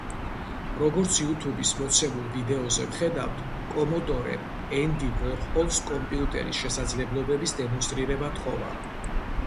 როგორც იუთუბის მოცემულ ვიდეოზე ვხედავთ, კომოდორემ ენდი ვორჰოლს კომპიუტერის შესაძლებლობების დემონსტრირება თხოვა.